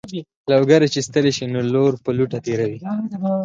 لوګری چې ستړی شي نو لور په لوټه تېروي.